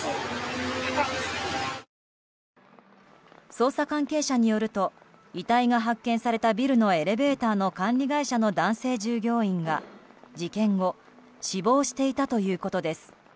捜査関係者によると遺体が発見されたビルのエレベーターの管理会社の男性従業員が事件後死亡していたということです。